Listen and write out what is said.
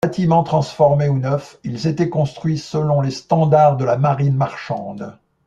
Bâtiments transformés ou neufs, ils étaient construits selon les standards de la marine marchande.